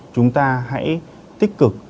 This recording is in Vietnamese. chúng ta hãy tích cực